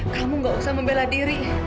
kamu gak usah membela diri